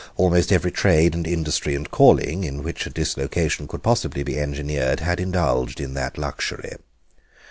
Almost every trade and industry and calling in which a dislocation could possibly be engineered had indulged in that luxury.